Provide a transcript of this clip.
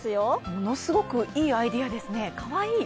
ものすごくいいアイデアですね、かわいい。